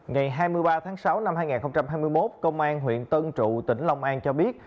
ngày hai mươi ba tháng sáu năm hai nghìn hai mươi một công an huyện tân trụ tỉnh long an cho biết